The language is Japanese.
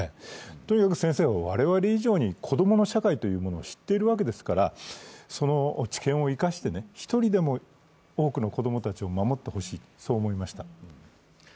とにかく先生は我々以上に子供の社会というものを知っているわけですから、その知見を生かして、１人でも多くの子供たちを守ってほしいと思いました。